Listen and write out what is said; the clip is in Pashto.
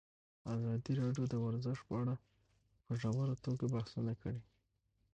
ازادي راډیو د ورزش په اړه په ژوره توګه بحثونه کړي.